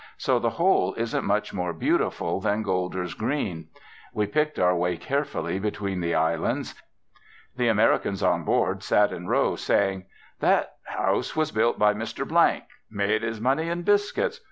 So the whole isn't much more beautiful than Golder's Green. We picked our way carefully between the islands. The Americans on board sat in rows saying "That house was built by Mr . Made his money in biscuits.